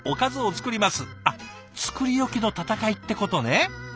あっ作り置きの戦いってことね。